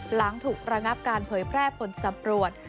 หลังถูกระงับการเผยแพร่ผลสำรวจ